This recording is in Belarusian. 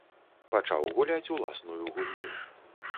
Пачаў гуляць уласную гульню.